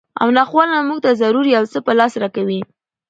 او ناخواله مونږ ته ضرور یو څه په لاس راکوي